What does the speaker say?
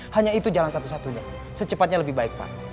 hanya itu jalan satu satunya secepatnya lebih baik pak